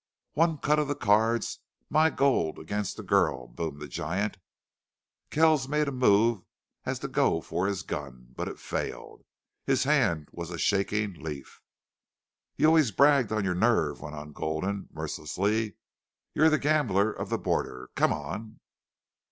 "One cut of the cards my gold against the girl!" boomed the giant. Kells made a movement as if to go for his gun. But it failed. His hand was a shaking leaf. "You always bragged on your nerve!" went on Gulden, mercilessly. "You're the gambler of the border!... Come on."